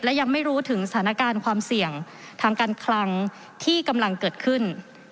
และยังไม่รู้ถึงสถานการณ์ความเสี่ยงทางการคลังที่กำลังเกิดขึ้น